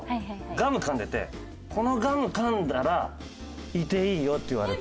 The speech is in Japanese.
ガム噛んでて「このガム噛んだらいていいよ」って言われて。